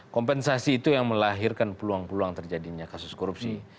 kompensasi itu yang melahirkan peluang peluang terjadinya kasus korupsi